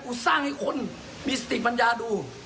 สร้างให้คนมีสติปัญญาดู